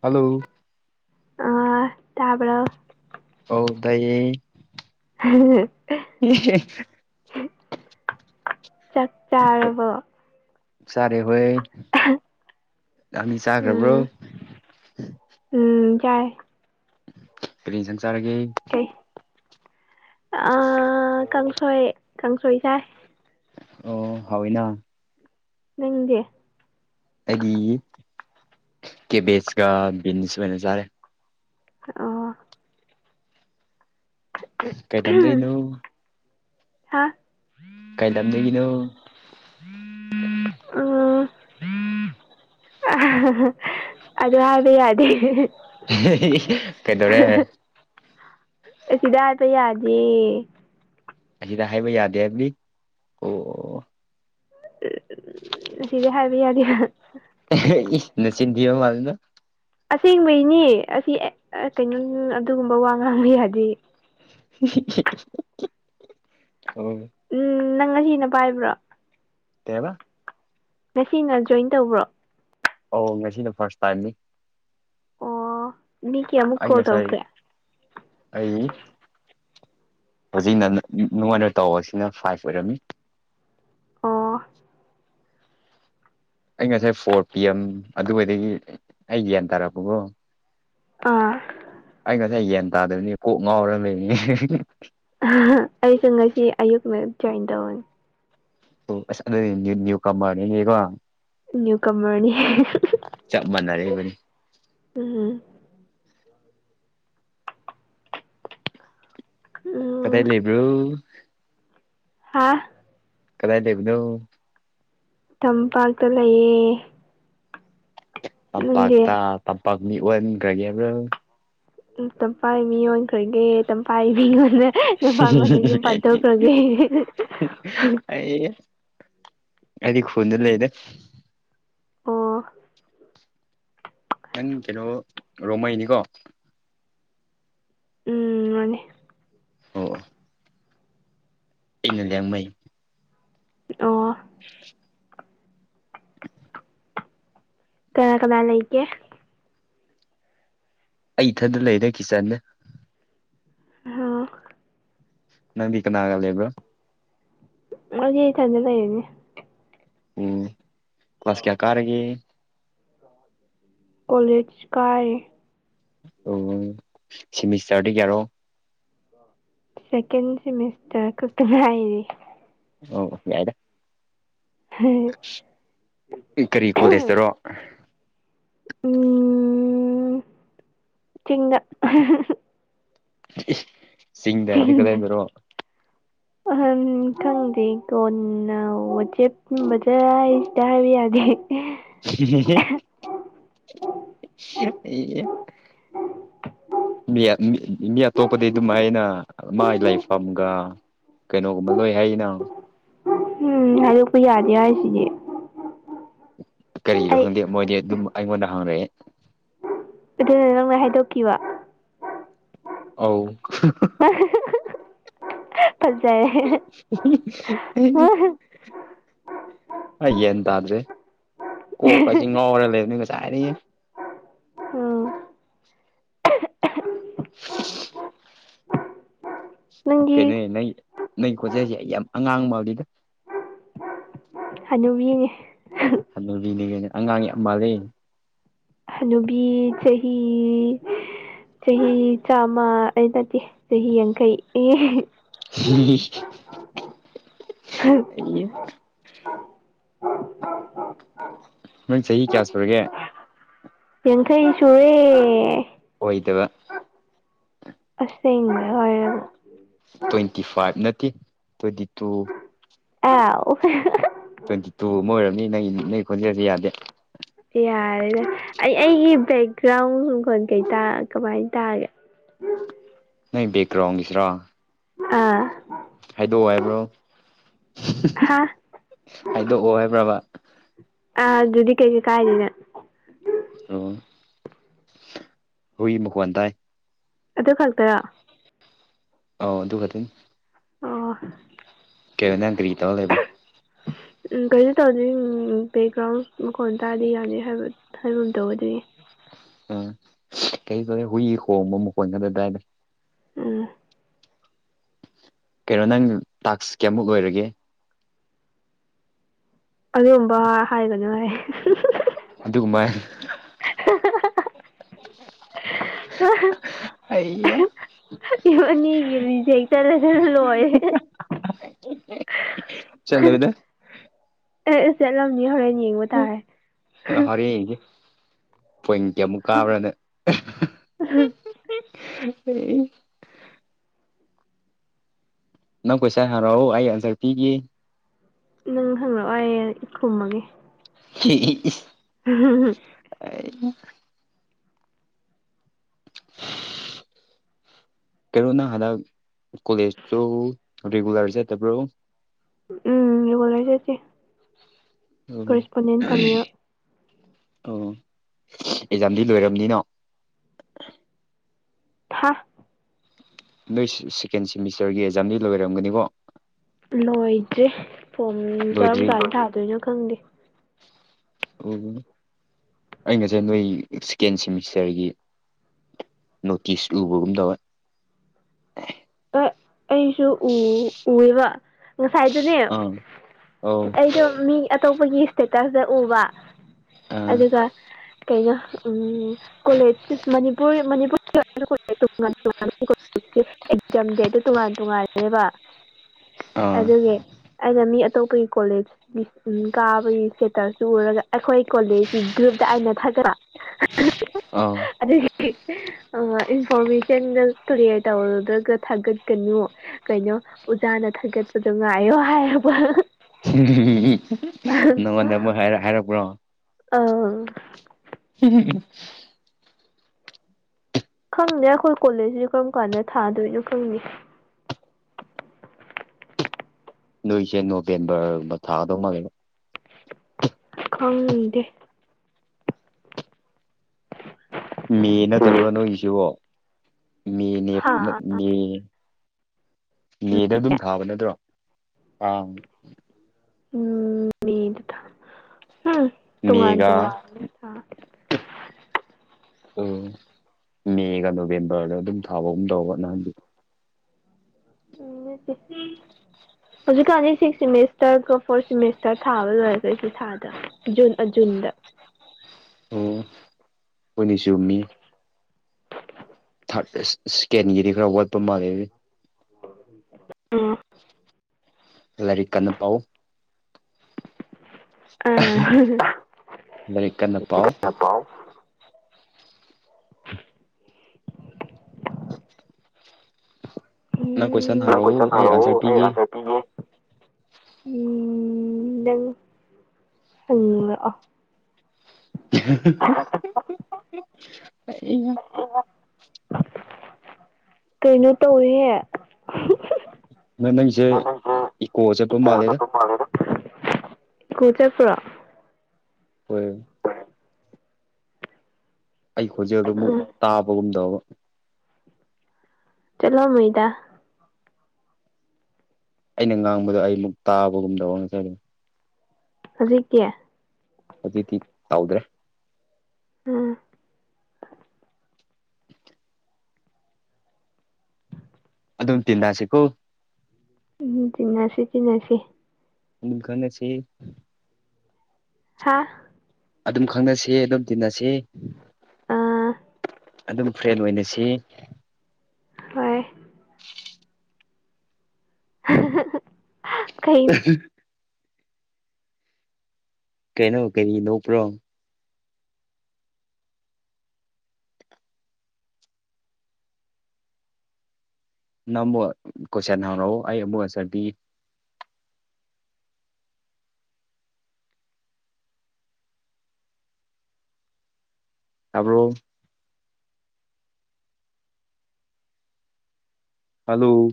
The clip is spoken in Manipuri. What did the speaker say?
ꯍꯜꯂꯣ ꯑꯥ ꯇꯕ꯭ꯔꯣ ꯑꯧ ꯇꯥꯌꯦ [unintelligible] [unintelligible] ꯆꯥꯛ ꯆꯥꯔꯕꯣ ꯆꯥꯔꯦ ꯍꯣꯏ ꯅꯪꯅꯤ ꯆꯥꯒ꯭ꯔꯥꯕ꯭ꯔꯣ ꯎꯝ ꯎꯝ ꯆꯥꯌꯦ ꯀꯔꯤ ꯏꯟꯁꯥꯡ ꯆꯥꯔꯒꯦ ꯀꯩ ꯑꯥ ꯀꯥꯡꯁꯣꯏ ꯀꯥꯡꯁꯣꯏ ꯆꯥꯏ ꯑꯣ ꯍꯥꯎꯋꯤꯅ ꯅꯪꯗꯤ ꯑꯩꯗꯤ ꯀꯦꯕ꯭ꯦꯖꯀꯥ ꯕꯤꯟꯁ ꯑꯣꯏꯅ ꯆꯥꯔꯦ ꯑꯣ ꯀꯩꯂꯝꯗꯩꯅꯣ ꯍꯥ ꯀꯩ ꯂꯝꯗꯥ ꯒꯤꯅꯣ ꯑꯣ ꯑꯗꯨ ꯍꯥꯏꯕ ꯌꯥꯗꯦ ꯀꯩꯗꯧꯔꯦ ꯑꯁꯤꯗ ꯍꯥꯏꯄ ꯌꯥꯗꯦ ꯑꯁꯤꯗ ꯍꯥꯏꯕ ꯌꯥꯗꯦ ꯍꯥꯏꯕꯅꯤ ꯑꯣ ꯑꯁꯤꯗꯤ ꯍꯥꯏꯕ ꯌꯥꯗꯦ ꯅꯥꯆꯤꯟ ꯊꯤꯕ ꯃꯥꯥꯜꯂꯤꯗꯥ ꯑꯁꯦꯡꯕꯩꯅꯤ ꯑꯁꯤ ꯀꯩꯅꯣ ꯑꯗꯨꯒꯨꯝꯕ ꯋꯥ ꯉꯥꯡꯕ ꯍꯥꯏꯗꯤ [unintelligible] ꯎꯝ ꯅꯪ ꯉꯁꯤꯅ ꯄꯥꯏꯕ꯭ꯔꯣ ꯀꯩ ꯍꯥꯢꯕ ꯉꯁꯤꯅ ꯖꯣꯏꯟ ꯇꯧꯕ꯭ꯔꯣ ꯑꯧ ꯉꯁꯤꯅ ꯐꯥꯔꯁ ꯇꯥꯏꯝꯅꯤ ꯑꯣ [unintelligible] ꯑꯩ ꯉꯁꯥꯢ ꯇꯧꯈ꯭ꯔꯦ ꯑꯩ ꯍꯧꯖꯤꯛꯅ ꯅꯨꯡꯉꯥꯏꯅ ꯇꯧꯕꯁꯤꯅ ꯐꯥꯏꯚ ꯑꯣꯏꯔꯝꯃꯤ ꯑꯣ ꯑꯩ ꯉꯁꯥꯏ ꯐꯣꯔ ꯄꯤ ꯑꯦꯝ ꯑꯗꯨꯗꯒꯤ ꯑꯩ ꯒ꯭ꯌꯥꯟ ꯇꯥꯔꯛꯄꯀꯣ ꯑꯥ ꯑꯩ ꯉꯁꯥꯏ ꯒꯌꯥꯟ ꯇꯥꯗꯕꯅꯤ ꯀꯣꯛ ꯉꯥꯎꯔ ꯂꯩꯅꯤ ꯑꯩꯁꯨ ꯉꯁꯤ ꯑꯌꯨꯛꯅ ꯖꯣꯏꯟ ꯇꯧꯕꯅꯤ ꯑꯣ ꯑꯁ ꯑꯗꯨꯗꯤ ꯅꯌꯨ ꯀꯥꯃꯥꯔꯅꯤꯀꯣ ꯅꯌꯨ ꯀꯥꯃꯥꯔꯅꯤ ꯆꯞ ꯃꯥꯟꯅꯔꯦꯕꯅꯤ ꯎꯝ ꯀꯗꯥꯢ ꯎꯝ ꯂꯩꯕ꯭ꯔꯣ ꯍꯥꯥ ꯀꯗꯥꯏ ꯂꯩꯕꯅꯣ ꯇꯝꯄꯥꯛꯇ ꯂꯩꯌꯦ ꯅꯪꯗꯤ ꯇꯝꯄꯥꯛꯇ ꯇꯝꯄꯥꯛ ꯃꯤ ꯑꯣꯟꯈ꯭ꯔꯥꯒꯦ ꯍꯥꯢꯕ꯭ꯔꯣ ꯎꯝ ꯇꯝꯐꯥꯛ ꯃꯤ ꯑꯣꯈ꯭ꯔꯒꯦ ꯇꯝꯄꯥꯛ ꯃꯤꯡ ꯅꯨꯄꯥ ꯑꯃꯥꯗꯥ ꯌꯨꯝ ꯄꯥꯊꯣꯛꯈ꯭ꯔꯒꯦ ꯑꯩ ꯑꯩꯗꯤ ꯈꯨꯟꯗ ꯂꯩꯗꯥ ꯑꯣ [unintelligible] ꯔꯣꯃꯩꯅꯤꯀꯣ ꯎꯝ ꯃꯥꯅꯦ ꯑꯣ ꯑꯩꯅ ꯂꯤꯌꯥꯡꯃꯩ ꯑꯣ ꯀꯅꯥ ꯀꯅꯥ ꯂꯩꯒꯦ ꯑꯩ ꯏꯊꯟꯗ ꯂꯩꯔꯦ ꯀꯤꯆꯟꯗꯥ ꯍꯣ ꯅꯪꯗꯤ ꯀꯅꯥꯒ ꯂꯩꯕ꯭ꯔꯥ ꯑꯩꯗꯤ ꯢꯊꯟꯗ ꯂꯩꯔꯦꯅꯦ ꯎꯝ ꯀ꯭ꯂꯥꯁ ꯀꯌꯥ ꯀꯥꯔꯒꯦ ꯀꯣꯂꯦꯖ ꯀꯥꯔꯤ ꯑꯣ ꯁꯤꯃꯤꯁꯇꯔꯗꯤ ꯀꯌꯥꯔꯣ ꯁꯦꯀꯦꯟ ꯁꯤꯃꯤꯁꯇꯔ ꯈꯛꯇꯥ ꯉꯥꯏꯔꯤ ꯑꯣ ꯌꯥꯏꯗ [inaudible] ꯀꯔꯤ ꯀꯣꯂꯦꯖ ꯇꯔꯣ ꯎꯝ ꯆꯤꯡꯗꯥ ꯆꯤꯡꯗ ꯍꯥꯏꯕꯗꯤ ꯀꯗꯥꯏꯗꯔꯣ [inaudible] ꯑꯍꯥꯝ ꯈꯪꯗꯦ ꯀꯣꯟꯅ ꯋꯥꯆꯦꯞꯀꯨꯝꯕꯗ ꯁꯤꯗ ꯍꯥꯏꯕ ꯌꯥꯗ‌ꯦ [unintelligible] ꯃꯤ-ꯃꯤ ꯑꯇꯣꯞꯄꯗꯤ ꯑꯗꯨꯝꯃꯥꯏꯅ ꯃꯥꯏ ꯂꯩꯐꯝꯒ ꯀꯩꯅꯣꯒꯨꯝꯕ ꯂꯣꯏ ꯍꯥꯏꯌꯦꯅ ꯎꯝ ꯍꯥꯏꯗꯣꯛꯄ ꯌꯥꯗꯦ ꯍꯥꯏꯁꯤꯗꯤ ꯀꯔꯤꯒꯤꯔ‌ꯣ ꯑꯩ ꯈꯪꯗꯦ ꯃꯣꯏꯗꯤ ꯑꯗꯨꯝ ꯑꯩꯉꯣꯟꯗ ꯍꯪꯔꯛꯑꯦ ꯑꯗꯨꯅ ꯅꯪ ꯂ‌ꯣꯏ ꯍꯥꯏꯗꯣꯛꯈꯤꯕ ꯑꯧ ꯑ [unintelligible] ꯐꯠꯖꯔꯦ [unintelligible] ꯑꯩ ꯌꯦꯟ ꯇꯥꯗ꯭ꯔꯦ ꯀꯣꯛꯀꯖꯦ ꯉꯥꯎꯔ ꯂꯩꯕꯅꯤ ꯉꯁꯥꯏꯗꯒꯤ ꯎꯝ [unintelligible] ꯅꯪꯗꯤ ꯀꯩꯅꯣꯅꯦ ꯅꯪꯒꯤ-ꯅꯪꯒꯤ ꯈꯣꯟꯖ‌ꯦꯜꯁꯦ ꯑꯩ ꯌꯥꯝ ꯑꯉꯥꯡ ꯃꯥꯜꯂꯤꯗ ꯍꯅꯨꯕꯤꯅ‌ꯦ ꯍꯅꯨꯕꯤꯅꯤꯒꯥꯏꯅ ꯑꯉꯥꯡ ꯌꯥꯝ ꯃꯥꯜꯂꯦ ꯍꯅꯨꯕꯤ ꯆꯍꯤ ꯆꯍꯤ ꯆꯥꯝꯃ ꯑꯩ ꯅꯠꯇꯦ ꯆꯍꯤ ꯌꯥꯡꯈꯩ [unintelligible] ꯑꯩ [inaudible] [unintelligible] ꯅꯪ ꯆꯍꯤ ꯀꯌꯥ ꯁꯨꯔꯒꯦ ꯌꯥꯡꯈꯩ ꯁꯨꯔ‌ꯦ ꯑꯣꯏꯗꯕ ꯑꯁ‌ꯦꯡꯕ ꯍꯥꯏꯔꯒ ꯇ꯭ꯋꯦꯟꯇꯤ ꯐꯥ꯭ꯏꯞ ꯅꯠꯇꯦ ꯇ꯭ꯋꯦꯟꯇꯤ ꯇꯨ ꯑꯥꯎ ꯇ꯭ꯋꯦꯟꯇꯤ ꯇꯨ ꯒꯨꯝꯕ ꯑꯣꯏꯔꯝꯅꯤ ꯅꯪꯒꯤ-ꯅꯪꯒꯤ ꯈꯣꯟꯖꯦꯜꯁꯦ ꯌꯥꯗꯦ ꯌꯥꯔꯦꯗ ꯑꯩ-ꯑꯩꯒꯤ ꯕꯦꯛꯒ꯭ꯔꯥꯎꯟ ꯃꯈꯣꯟ ꯀꯩꯇ ꯀꯃꯥꯏꯅ ꯇꯥꯒꯦ ꯅꯪꯒꯤ ꯕꯦꯛꯒ꯭ꯔꯥꯎꯟꯒꯤꯁꯤꯔ‌ꯣ ꯑꯥ ꯍꯥꯏꯗꯣꯛꯑꯣ ꯍꯥꯏꯕ꯭ꯔꯣ ꯍꯥ ꯍꯥꯏꯗꯣꯛꯑꯣ ꯍꯥꯏꯕ꯭ꯔꯕꯥ ꯑꯥ ꯑꯗꯨꯗꯤ ꯀꯩꯁꯨꯩ [unintelligible] ꯑꯣ ꯍꯨꯏ ꯃꯈꯣꯟ ꯇꯥꯏ ꯑꯗꯨ ꯈꯛꯇꯔ‌ꯣ ꯑꯥꯎ ꯑꯗꯨꯈꯛꯇꯅꯤ ꯑꯣ ꯀꯩꯅ‌ꯣ ꯅꯪ ꯀꯔꯤ ꯇꯧꯔ ꯂꯩꯕ ꯎꯝ ꯀꯩꯁꯨ ꯇꯧꯗꯦ ꯎꯝ ꯕꯦꯛꯒ꯭ꯔꯥꯎꯟ ꯃꯈꯣꯟ ꯇꯥꯗ‌ꯦ ꯌꯥꯅꯤ ꯍꯥꯏꯕ ꯍꯥꯏꯒꯨꯝ ꯇꯧꯕ‌ꯑꯗꯨꯒꯤ ꯎꯝ ꯀꯩ ꯇꯧꯔꯦ ꯍꯨꯏꯒꯤ ꯈ‌ꯣꯡꯕ ꯃꯈ‌ꯣꯟ ꯈꯛꯇ ꯇꯥꯏꯗ ꯎꯝ ꯀꯩꯅꯣ ꯅꯪ ꯇꯥꯛꯁ ꯀꯌꯥꯃꯨꯛ ꯂꯣꯏꯔꯒꯦ ꯑꯗꯨꯒꯨꯝꯕ ꯍꯥꯏꯒꯅꯨ ꯍꯥꯏ [unintelligible] ꯑꯩꯌꯥ [unintelligible] ꯔꯤꯖꯦꯛ ꯆꯠꯂꯥꯁꯦ ꯂꯣꯏꯦ [inaudible] ꯆꯠꯂꯣꯢꯗ ꯑꯦ ꯆꯠꯂꯝꯅꯤ ꯍꯣꯔꯦꯟ ꯌꯦꯡꯕ ꯇꯥꯔꯦ [inaudible] ꯄꯣꯏꯟ ꯀꯤꯃꯨꯛ ꯀꯥꯕ꯭ꯔꯅ ꯅꯪ ꯀꯣꯏꯁꯟ ꯍꯔꯛꯑꯣ ꯑꯩ ꯑꯟꯁꯔ ꯄꯤꯒꯦ ꯅꯪ ꯍꯪꯂꯛꯑꯣ ꯑꯩ ꯈꯨꯝꯃꯒꯦ [unintelligible] [unintelligible] [unintelligible] [unintelligible] ꯀꯩꯅꯣ ꯅꯪ ꯍꯟꯗꯛ ꯀꯣꯂꯦꯖꯇꯣ ꯔꯤꯒꯨꯂꯔ ꯆꯠꯇꯕꯔꯣ ꯎꯝ ꯔꯤꯒꯨꯂꯔ ꯆꯠꯇꯦ ꯑꯣ ꯀꯔꯦꯁꯄꯣꯟꯗꯦꯟꯠ ꯇꯝꯃꯤꯕ ꯑꯣ ꯑꯦꯛꯖꯥꯝꯗꯤ ꯂꯣꯏꯔꯕꯅꯤꯅ ꯍꯥ ꯅꯣꯏ ꯁꯦꯀꯦꯟ ꯁꯦꯃꯤꯁꯇꯔꯒꯤ ꯑꯦꯛꯖꯥꯝꯗꯤ ꯂꯣꯏꯔꯝꯒꯅꯤꯀꯣ ꯂꯣꯏꯗ꯭ꯔꯤ ꯐꯣꯝ ꯀꯔꯝ ꯂꯣꯏꯗ꯭ꯔꯤ ꯀꯥꯟꯗ ꯊꯥꯗꯣꯏꯅꯣ ꯈꯪꯗꯦ ꯑꯣ ꯑꯩ ꯉꯁꯤ ꯅꯣꯏ ꯁꯦꯀꯦꯟ ꯁꯦꯃꯤꯁꯇꯔꯒꯤ ꯅꯣꯀꯤꯁꯇꯨ ꯎꯕꯒꯨꯝ ꯇꯧꯋꯦ ꯑ ꯑꯩꯁꯨ ꯎꯢꯕ ꯉꯁꯥꯏꯗꯨꯅꯦ ꯑꯥ ꯑꯧ ꯑꯩꯗꯣ ꯃꯤ ꯑꯇꯣꯞꯄꯒꯤ ꯁꯇꯦꯇꯁꯇ ꯎꯕ ꯑꯥ ꯑꯗꯨꯒ ꯀꯩꯅꯣ ꯀꯣꯂꯦꯖ ꯃꯅꯤꯄꯨꯔ ꯃꯅꯤꯄꯨꯔ [inaudible] [unintelligible] ꯑꯦꯛꯖꯥꯝ ꯗꯦ ꯗꯤ ꯇꯣꯉꯥꯟ ꯇꯣꯉꯥꯜꯂꯦꯕ ꯑꯥ ꯑꯗꯨꯒꯤ ꯑꯩꯅ ꯃꯤ ꯑꯇꯣꯞꯄꯒꯤ ꯀꯣꯂꯦꯖ [unintelligible] ꯀꯥꯕꯒꯤ ꯁꯇꯦꯇꯁꯇꯣ ꯎꯔꯒ ꯑꯩꯈꯣꯏ ꯀꯣꯂꯦꯖꯀꯤ ꯒ꯭ꯔꯨꯞꯇ ꯑꯩꯅ ꯊꯥꯒꯠꯄ [unintelligible] ꯑꯧ ꯑꯗꯨꯒꯤ ꯏꯟꯐꯣꯔꯃꯦꯁꯟꯗꯣ ꯀ꯭ꯂꯤꯌꯥꯔ ꯇꯧꯗ꯭ꯔꯒ ꯊꯥꯒꯠꯀꯅꯨ ꯀꯩꯅꯣ ꯎꯖꯥꯅ ꯊꯥꯒꯠꯄꯗꯣ ꯉꯥꯏꯌꯣ ꯍꯥꯏꯔꯛꯄ ꯅꯉꯣꯟꯗ ꯑꯃꯨꯛ ꯍꯥꯏꯔꯛ ꯍꯥꯏꯔꯛꯄ꯭ꯔꯣ ꯑꯧ [unintelligible] ꯈꯪꯗꯦ ꯑꯩꯈꯣꯏ ꯀꯣꯂꯦꯖꯁꯤ ꯀꯔꯝ ꯀꯥꯟꯗ ꯊꯥꯗꯣꯏꯅꯣ ꯈꯪꯗꯦ ꯅꯣꯏꯁꯦ ꯅꯣꯕꯦꯝꯕꯔꯒꯨꯝꯕ ꯊꯥꯗꯧ ꯃꯥꯜꯂꯦ ꯈꯪꯗꯦ ꯃꯦ ꯎꯝ ꯅꯠꯇꯕ꯭ꯔꯥ ꯅꯣꯏꯒꯤꯁꯤꯕꯣ ꯃꯦꯅꯦ ꯍꯥꯥ ꯃꯦ ꯃꯦꯗ ꯑꯗꯨꯝ ꯊꯥꯕ ꯅꯠꯇ꯭ꯔꯣ ꯑꯥ ꯎꯝ ꯃꯦꯗ ꯊꯥꯕ ꯍꯝ ꯃꯦꯒꯥ [unintelligible] ꯑꯣ ꯃꯦꯒ ꯅꯣꯕꯦꯝꯕꯔꯗ ꯑꯗꯨꯝ ꯊꯥꯕꯒꯨꯝ ꯇꯧꯕ ꯅꯍꯥꯟꯗꯤ ꯎꯝ ꯅꯠꯇꯦ ꯍꯧꯖꯤꯛꯀꯥꯟꯗꯤ ꯁꯤꯛꯁ ꯁꯦꯃꯦꯁꯇꯔꯒ ꯐꯣꯔꯠ ꯁꯦꯃꯦꯁꯇꯔ ꯊꯥꯕ ꯂꯣꯏꯔꯒ ꯑꯁꯤ ꯊꯥꯗ ꯖꯨꯟ ꯑꯖꯨꯟꯗ ꯑꯣ ꯍꯣꯏꯅꯦ ꯆꯨꯝꯃꯤ ꯊꯥꯔꯠ ꯁꯦꯀꯦꯟꯒꯤꯗꯤ ꯈꯔ ꯋꯥꯠꯄ ꯃꯥꯜꯂꯦ ꯎꯝ ꯂꯥꯏꯔꯤꯛ ꯀꯟꯅ ꯄꯥꯎ ꯑꯥ ꯂꯥꯏꯔꯤꯛ ꯀꯟꯅ ꯄꯥꯎ ꯄꯥꯎ ꯀꯣꯏꯁꯟ ꯅꯪ ꯍꯪꯔꯛꯎ ꯀꯣꯏꯁꯟ ꯑꯩ ꯍꯥꯏꯔꯛꯑꯣ ꯑꯟꯁꯔ ꯑꯩ ꯑꯟꯁꯔ ꯄꯤꯒꯦ ꯎꯝ ꯅꯪ ꯍꯪꯂꯛꯑꯣ [unintelligible] ꯀꯩꯅꯣ ꯇꯧꯋꯦꯍꯦ ꯅꯪ ꯅꯪꯁꯦ ꯏꯀꯣ [unintelligible] ꯏꯀꯣ ꯃꯥꯜꯂꯦꯗ ꯆꯠꯄ ꯃꯜꯂꯦꯗꯥ [unintelligible] ꯏꯀꯦ ꯆꯠꯄꯔꯣ ꯍꯣꯏ ꯑꯩ ꯈꯣꯟꯖꯦꯜꯗꯨ ꯃꯨꯛ ꯎꯝ ꯇꯥꯕꯒꯨꯝ ꯇꯧꯕ ꯆꯠꯂꯝꯃꯣꯏꯗ ꯑꯩꯅ ꯉꯥꯡꯕꯗꯣ ꯑꯩꯃꯨꯛ ꯇꯥꯕꯒꯨꯝ ꯇꯧꯕꯥ ꯉꯥꯁꯥꯏꯗꯣ ꯍꯧꯖꯤꯛꯀꯤ ꯍꯧꯖꯤꯛꯇꯤ ꯇꯧꯗ꯭ꯔꯦ ꯑꯥ ꯑꯗꯨꯝ ꯇꯤꯟꯅꯁꯦꯀꯣ ꯎꯝ ꯆꯤꯟꯅꯁꯤ ꯆꯤꯟꯅꯁꯤ ꯎꯝ ꯈꯪꯅꯁꯤ ꯍꯥꯥ ꯑꯗꯨꯝ ꯈꯪꯅꯁꯤ ꯑꯗꯨꯝ ꯇꯤꯟꯅꯁꯤ ꯑꯥ ꯑꯗꯨꯝ ꯐ꯭ꯔꯦꯟ ꯑꯣꯏꯅꯁꯤ ꯍꯣꯏ [unintelligible] ꯀꯩ [unintelligible] ꯀꯩꯅꯣ ꯀꯩꯒꯤ ꯅꯣꯛꯄ꯭ꯔꯣ ꯅꯪ ꯑꯃꯨꯛ ꯀꯣꯢꯁꯥꯟ ꯍꯪꯔꯛꯑꯣ ꯑꯩ ꯑꯃꯨꯛ ꯑꯥꯟꯁꯥꯔ ꯄꯤꯒꯦ ꯇꯥꯕ꯭ꯔꫭ ꯍꯜꯂꯣ